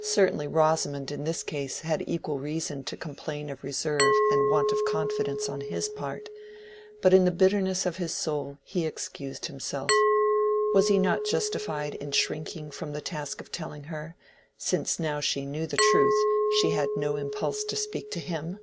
Certainly Rosamond in this case had equal reason to complain of reserve and want of confidence on his part; but in the bitterness of his soul he excused himself;—was he not justified in shrinking from the task of telling her, since now she knew the truth she had no impulse to speak to him?